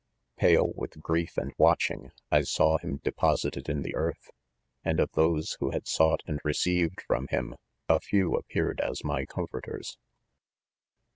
c Pale with grief and watching, I saw him de posited in. the eartli 3 * and of those who had sought and received from him., a few appeared as my comforters.